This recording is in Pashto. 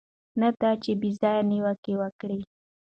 نه دا چې بې ځایه نیوکې وکړي.